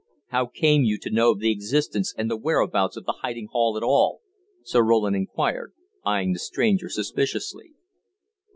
"How came you to know of the existence and the whereabouts of the hiding hole at all?" Sir Roland inquired, eyeing the stranger suspiciously.